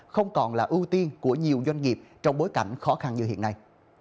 không còn là ưu tiên của nhiều doanh nghiệp trong bối cảnh khó khăn như hiện nay